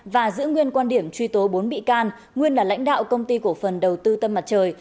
và giữ nguyên quan điểm truy tố bốn bị can nguyên là lãnh đạo công ty cổ phần đầu tư tâm mặt trời